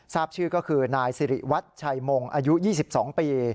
ทราบชื่อก็คือนายสิริวัตรชัยมงอายุ๒๒ปี